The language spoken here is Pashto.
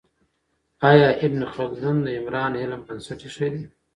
آیا ابن خلدون د عمران علم بنسټ ایښی دی؟